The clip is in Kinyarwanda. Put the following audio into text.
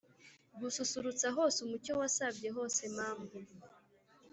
gususurutsa hose umucyo wasabye hose mama-